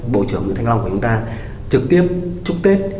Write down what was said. bộ trưởng nguyễn thanh long của chúng ta trực tiếp chúc tết